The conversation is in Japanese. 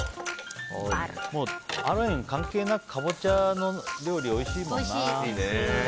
ハロウィーン関係なくカボチャの料理おいしいもんな。